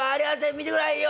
見てくださいよ。